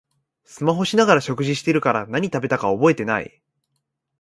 スマホしながら食事してるから何食べたか覚えてない